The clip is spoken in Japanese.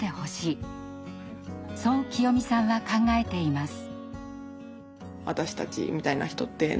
そうきよみさんは考えています。